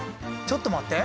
ちょっと待って！